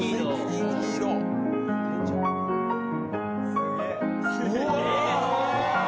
すげえ！